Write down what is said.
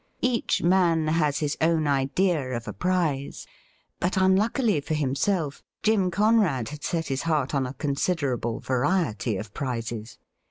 Each man has his own idea of a prize ; but, vmluckily for himself, Jim Conrad had set his heart on a considerable variety of prizes.